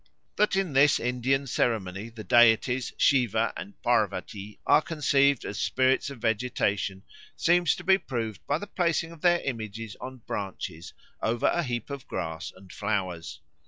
That in this Indian ceremony the deities Siva and Pârvatî are conceived as spirits of vegetation seems to be proved by the placing of their images on branches over a heap of grass and flowers.